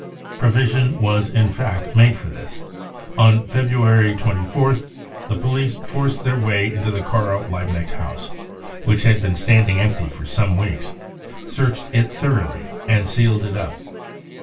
Provision was in fact made for this. " On February 24th the police forced their way into the Karl Liebknecht House, which had been standing empty for some weeks, searched it thoroughly and sealed it up.